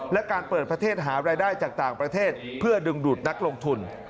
และการเปิดประเทศหารายได้จากต่างประเทศเพื่อดึงดูดนักลงทุน